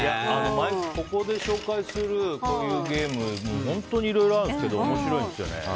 ここで紹介するゲームって本当にいろいろあるんですけど面白いんですよね。